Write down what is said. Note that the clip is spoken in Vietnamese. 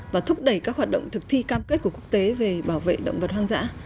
và thúc đẩy các hoạt động thực thi cam kết của quốc tế về bảo vệ động vật hoang dã